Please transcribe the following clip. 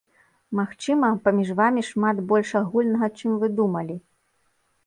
Магчыма, паміж вамі шмат больш агульнага, чым вы думалі!